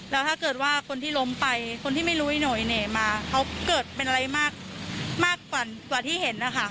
แล้วถ้าเกิดว่าคนที่ล้มไปคนที่ไม่รู้อีโหยเน่มาเขาเกิดเป็นอะไรมากกว่าที่เห็นนะคะ